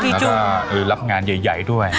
แล้วก็รับงานใหญ่ด้วย